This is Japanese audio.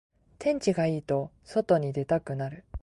天気がいいと外に出たくなる